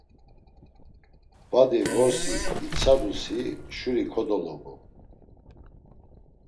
Badi vorsi itsadusi şuri kodolobu.